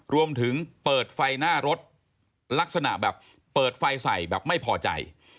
รวมถึงเปิดไฟหน้ารถลักษณะแบบเปิดไฟใส่แบบไม่พอใจ